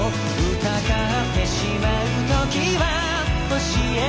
「疑ってしまう時は教えるよ」